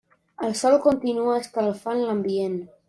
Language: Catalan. El sol continua escalfant ambient.